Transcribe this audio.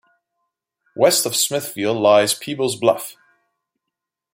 West of Smithville lies Peebles Bluff.